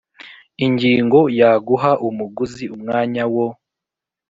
Ingingo ya guha umuguzi umwanya wo